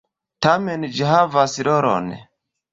Tamen, ĝi havas rolon.